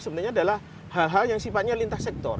sebenarnya adalah hal hal yang sifatnya lintas sektor